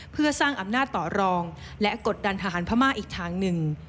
เพื่อสร้างอำนาจต่อรองและกดดันทหารพม่าอีกทางหนึ่ง